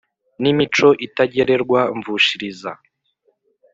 N ' imico itagererwa mvushiriza